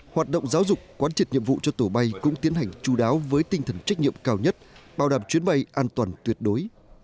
hoạt động giáo dục quán triệt nhiệm vụ cho tổ bay cũng tiến hành chú đáo với tinh thần trách nhiệm cao nhất bảo đảm chuyến bay an toàn tuyệt đối